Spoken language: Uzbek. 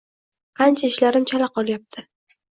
Qancha ishlarim chala qolyapti